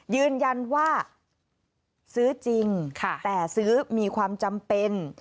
ยืนยันว่าซื้อจริงแต่ซื้อมีความจำเป็น